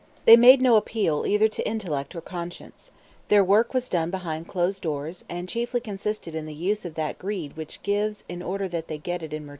They made no appeal either to intellect or conscience. Their work was done behind closed doors, and consisted chiefly in the use of that greed which gives in order that in return it may get.